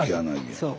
そう。